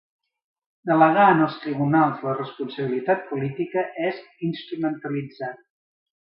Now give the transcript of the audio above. Delegar en els tribunals la responsabilitat política és instrumentalitzar.